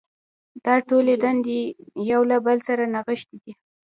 دا ټولې دندې یو له بل سره نغښتې دي.